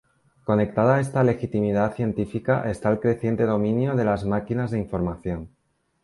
Conectada a esta legitimidad científica está el creciente dominio de las máquinas de información.